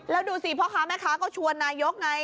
และดูซิพ่อค้าแม่ข้าชวนนายกไง